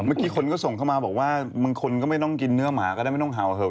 เมื่อกี้คนก็ส่งเข้ามาบอกว่าบางคนก็ไม่ต้องกินเนื้อหมาก็ได้ไม่ต้องเห่าเถอ